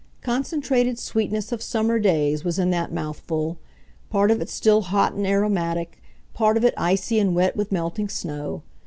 Concentrated sweetness of summer days was in that mouthful, part of it still hot and aromatic, part of it icy and wet with melting snow.